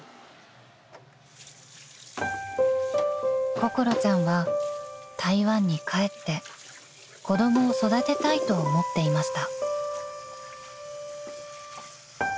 ［心ちゃんは台湾に帰って子供を育てたいと思っていました］